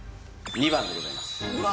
２番でございますうわ